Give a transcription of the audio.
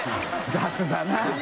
雑だな！